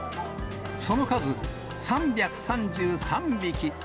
その数、３３３匹。